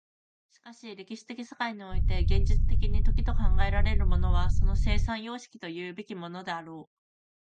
しかし歴史的世界において現実的に時と考えられるものはその生産様式というべきものであろう。